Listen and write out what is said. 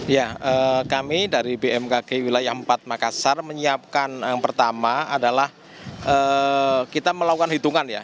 ya kami dari bmkg wilayah empat makassar menyiapkan yang pertama adalah kita melakukan hitungan ya